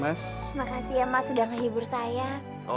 makasih ya mas udah ngehibur saya